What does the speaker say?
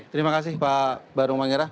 terima kasih pak barung mangera